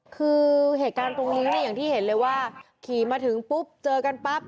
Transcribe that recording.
คือเหตุการณ์ตรงนี้เนี่ยอย่างที่เห็นเลยว่าขี่มาถึงปุ๊บเจอกันปั๊บ